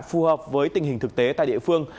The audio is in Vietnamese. phù hợp với tình hình thực tế tại địa phương